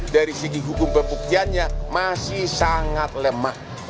dari segi hukum pembuktiannya masih sangat lemah